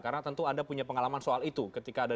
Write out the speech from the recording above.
karena tentu anda punya pengalaman soal itu ketika ada